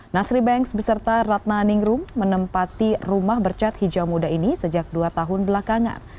nasri banks beserta ratna ningrum menempati rumah bercat hijau muda ini sejak dua tahun belakangan